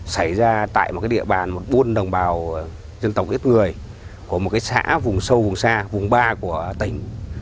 xảy ra tại một địa bàn buôn đồng bào dân tộc ít người của một xã vùng sâu vùng xa vùng ba của tỉnh